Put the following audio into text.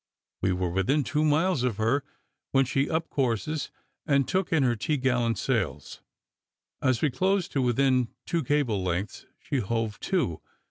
We were within two miles of her when she up courses and took in her topgallant sails. As we closed to within two cable's lengths, she hove to.